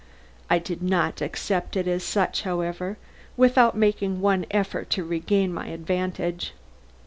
I did not accept it as such, however, without making one effort to regain my advantage.